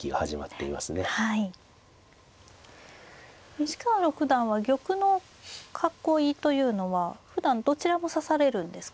西川六段は玉の囲いというのはふだんどちらも指されるんですか。